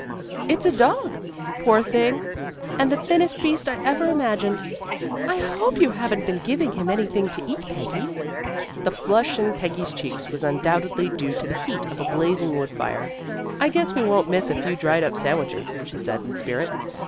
"It's a dog, poor thing, and the thinnest beast I ever imagined." "I hope you haven't been giving him anything to eat, Peggy." The flush in Peggy's cheeks was undoubtedly due to the heat of a blazing wood fire. "I guess we won't miss a few dried up sandwiches," she said with spirit.